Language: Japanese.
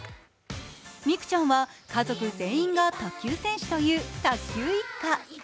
美空ちゃんは家族全員が卓球選手という卓球一家。